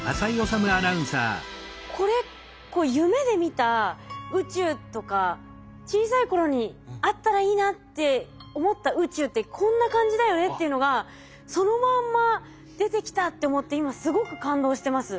これ夢で見た宇宙とか小さい頃にあったらいいなって思った宇宙ってこんな感じだよねっていうのがそのまんま出てきたって思って今すごく感動してます。